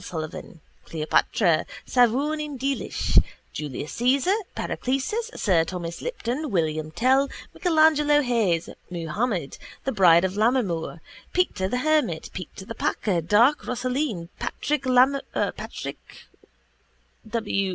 Sullivan, Cleopatra, Savourneen Deelish, Julius Caesar, Paracelsus, sir Thomas Lipton, William Tell, Michelangelo Hayes, Muhammad, the Bride of Lammermoor, Peter the Hermit, Peter the Packer, Dark Rosaleen, Patrick W.